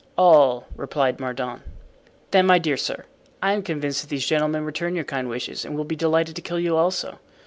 "All," replied Mordaunt. "Then, my dear sir; I am convinced that these gentlemen return your kind wishes and will be delighted to kill you also.